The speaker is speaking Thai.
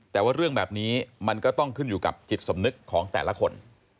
แต่ว่าเรื่องแบบนี้มันก็ต้องขึ้นอยู่กับจิตสำนึกของแต่ละคน